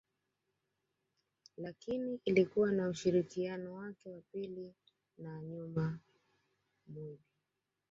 Lakini ilikuwa na ushirikiano wake wa pili na Nyoma Moyib